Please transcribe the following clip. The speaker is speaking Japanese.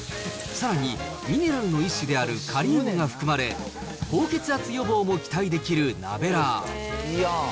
さらにミネラルの一種であるカリウムが含まれ、高血圧予防も期待できるナベラー。